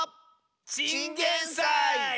チンゲンサイ！